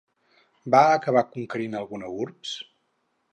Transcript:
Va acabar conquerint alguna urbs?